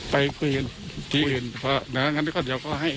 ไปคุยที่อื่นเดี๋ยวเขาให้